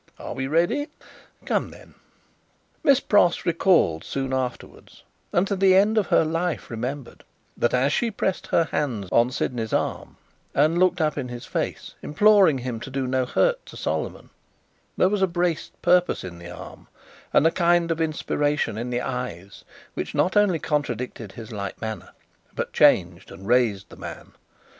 Are we ready? Come then!" Miss Pross recalled soon afterwards, and to the end of her life remembered, that as she pressed her hands on Sydney's arm and looked up in his face, imploring him to do no hurt to Solomon, there was a braced purpose in the arm and a kind of inspiration in the eyes, which not only contradicted his light manner, but changed and raised the man.